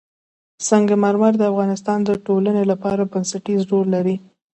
سنگ مرمر د افغانستان د ټولنې لپاره بنسټيز رول لري.